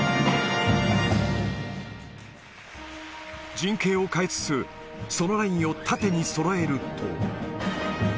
陣形を変えつつ、そのラインを縦にそろえると。